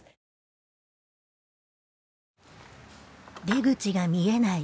出口が見えない